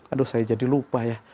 aduh saya jadi lupa ya